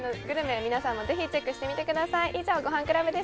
ぜひ皆さんもチェックしてみてください。